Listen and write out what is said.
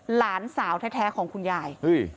หลานสาวแท้ของคุณยาย